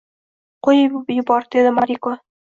— Qo‘yib yubor, — dedi Moriko.